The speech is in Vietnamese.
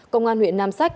công an huyện nam sách